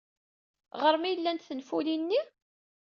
Ɣer-m ay llant tenfulin-nni?